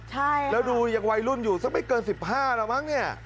ใช่ครับแล้วดูอย่างวัยรุ่นอยู่สักไม่เกินสิบห้าแล้วมั้งเนี่ย